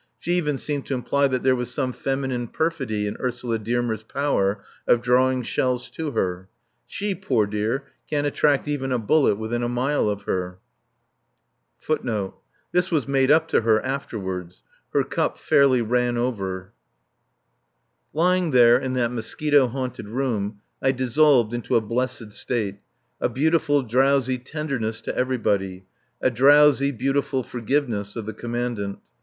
She even seemed to imply that there was some feminine perfidy in Ursula Dearmer's power of drawing shells to her. (She, poor dear, can't attract even a bullet within a mile of her.) Lying there, in that mosquito haunted room, I dissolved into a blessed state, a beautiful, drowsy tenderness to everybody, a drowsy, beautiful forgiveness of the Commandant.